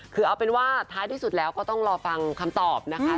คือเอาเป็นว่าท้ายที่สุดแล้วก็ต้องรอฟังคำตอบนะคะ